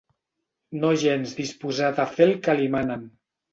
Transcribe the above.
No gens disposat a fer el que li manen.